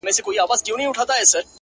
تا پر اوږده ږيره شراب په خرمستۍ توی کړل،